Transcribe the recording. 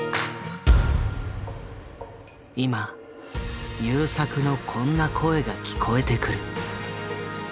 今優作のこんな声が聞こえてくる。